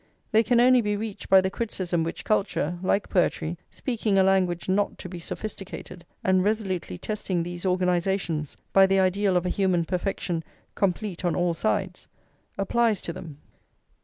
They can only be reached by the criticism which culture, like poetry, speaking a language not to be sophisticated, and resolutely testing these organisations by the ideal of a human perfection complete on all sides, applies to them.